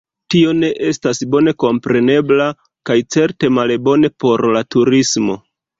Tio ne estas bone komprenebla kaj certe malbone por la turismo.